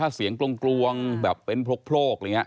ถ้าเสียงกรวงแบบเป็นโพรก